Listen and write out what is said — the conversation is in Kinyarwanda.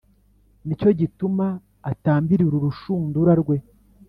ni cyo gituma atambirira urushundura rwe